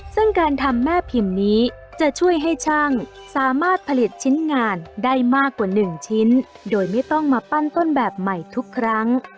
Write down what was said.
ซึ่งการทำแม่พิมพ์นี้จะช่วยให้ช่างสามารถผลิตชิ้นงานได้มากกว่า๑ชิ้นโดยไม่ต้องมาปั้นต้นแบบใหม่ทุกครั้ง